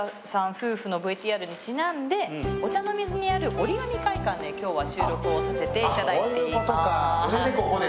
夫婦のＶＴＲにちなんでお茶の水にあるおりがみ会館で今日は収録をさせていただいています。